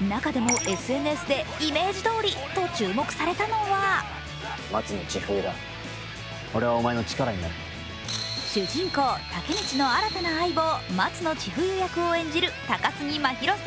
中でも、ＳＮＳでイメージどおりと注目されたのは主人公・武道の新たな相棒、松野千冬役を演じる高杉真宙さん。